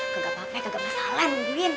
gak apa apa gak masalah nungguin